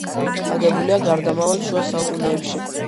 აგებულია გარდამავალ შუა საუკუნეებში.